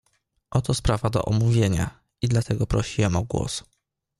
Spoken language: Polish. "Oto sprawa do omówienia i dlatego prosiłem o głos."